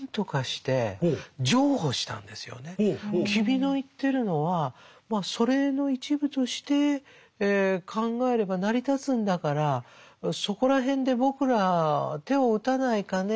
君の言ってるのはまあ祖霊の一部として考えれば成り立つんだからそこら辺で僕ら手を打たないかね。